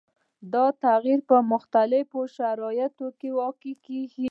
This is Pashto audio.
دا تغیر په مختلفو شرایطو کې واقع کیږي.